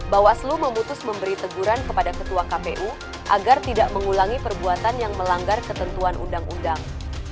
bawaslu memutus memberi teguran kepada ketua kpu agar tidak mengulangi perbuatan yang melanggar ketentuan undang undang